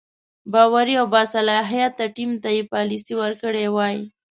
باوري او باصلاحیته ټیم ته یې پالیسي ورکړې وای.